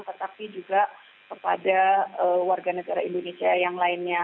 tetapi juga kepada warga negara indonesia yang lainnya